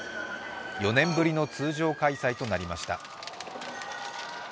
４年ぶりの通常開催となりました。